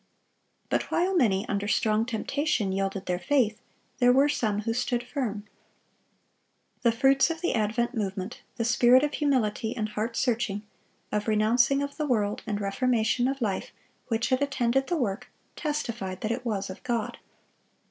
But while many, under strong temptation, yielded their faith, there were some who stood firm. The fruits of the Advent Movement, the spirit of humility and heart searching, of renouncing of the world and reformation of life, which had attended the work, testified that it was of God.